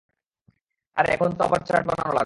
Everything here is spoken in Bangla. আরে, এখন তো আবার চার্ট বানানো লাগবে!